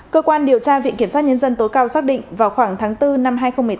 cơ quan điều tra viện kiểm sát nhân dân tối cao xác định vào khoảng tháng bốn năm hai nghìn một mươi tám